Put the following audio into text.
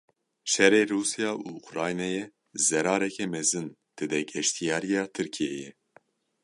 Şerê Rûsya û Ukraynayê zerareke mezin dide geştyariya Tirkiyeyê.